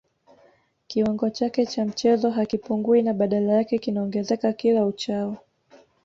Kiwango chake cha mchezo hakipungui na badala yake kinaongezeka kila uchao